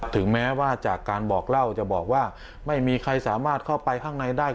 ถึงแม้ว่าจากการบอกเล่าจะบอกว่าไม่มีใครสามารถเข้าไปข้างในได้